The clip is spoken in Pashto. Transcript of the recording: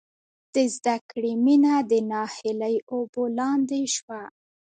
د زدکړې مینه د ناهیلۍ اوبو لاندې شوه